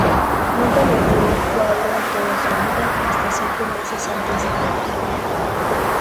Nunca vendió un cuadro en toda su vida hasta cinco meses antes de morir.